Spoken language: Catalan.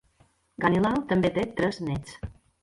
Ganilau també té tres nets.